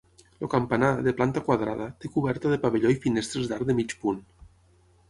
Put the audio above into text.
El campanar, de planta quadrada, té coberta de pavelló i finestres d'arc de mig punt.